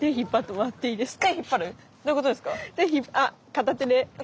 片手で？